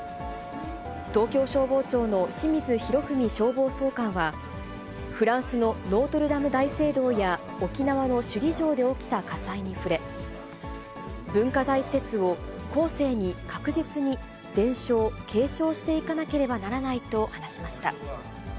東京消防庁の清水洋文消防総監は、フランスのノートルダム大聖堂や、沖縄の首里城で起きた火災に触れ、文化財施設を後世に確実に伝承、継承していかなければならないと話しました。